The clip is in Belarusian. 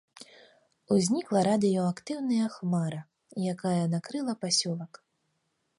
Узнікла радыеактыўная хмара, якая накрыла пасёлак.